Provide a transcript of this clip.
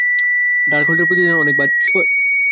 ডার্কহোল্ডের প্রতিদান অনেক ভারী হয়।